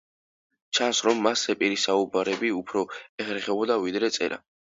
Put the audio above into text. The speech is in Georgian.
ჩანს, რომ მას ზეპირი საუბრები უფრო ეხერხებოდა, ვიდრე წერა.